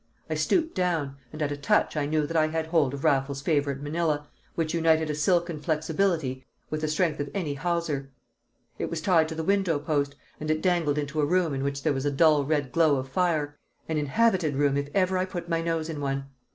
I stooped down, and at a touch I knew that I had hold of Raffles's favourite Manila, which united a silken flexibility with the strength of any hawser. It was tied to the window post, and it dangled into a room in which there was a dull red glow of fire: an inhabited room if ever I put my nose in one!